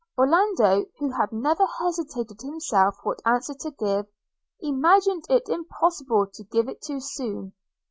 Orlando, who had never hesitated himself what answer to give, imagined it impossible to give it too soon.